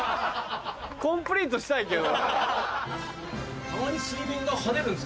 コンプリートしたいけど。